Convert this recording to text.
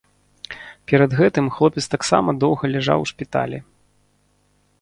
Перад гэтым хлопец таксама доўга ляжаў у шпіталі.